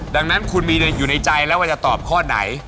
ดังนั้นคุณมีอยู่ในใจแล้วว่าจะตอบข้อไหน